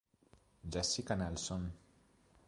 Jessica Nelson